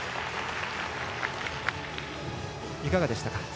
いかがでしたか。